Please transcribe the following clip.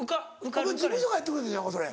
お前事務所がやってくれたんちゃうかそれ。